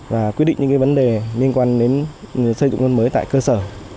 và quyết định những vấn đề liên quan đến xây dựng nông thôn mới tại cơ sở